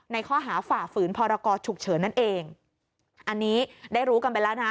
ข้อหาฝ่าฝืนพรกรฉุกเฉินนั่นเองอันนี้ได้รู้กันไปแล้วนะ